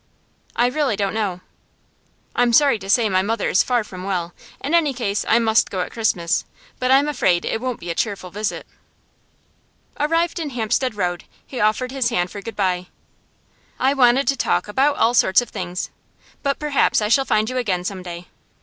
'I really don't know.' 'I'm sorry to say my mother is far from well. In any case I must go at Christmas, but I'm afraid it won't be a cheerful visit.' Arrived in Hampstead Road he offered his hand for good bye. 'I wanted to talk about all sorts of things. But perhaps I shall find you again some day.